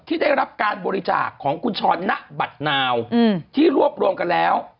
ได้รับการบริจาคของคุณชรณบัตรนาวที่รวบรวมกันแล้ว